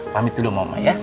pamit dulu omah ya